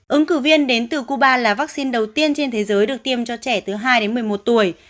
ứng cử viên đến từ cuba là vaccine đầu tiên trên thế giới được tiêm cho trẻ từ hai đến một mươi một tuổi